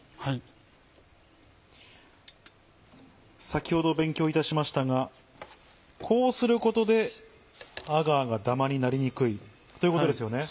先ほど勉強いたしましたがこうすることでアガーがダマになりにくいということですよね？